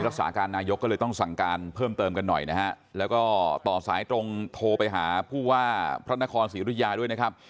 รักษาการนายกก็เลยต้องสั่งการเพิ่มเติมกันหน่อยนะฮะแล้วก็ต่อสายตรงโทรไปหาผู้ว่าพระนครศรีรุยาด้วยนะครับ